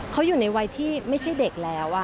เขาอยู่ในวัยที่ไม่ใช่เด็กแล้ว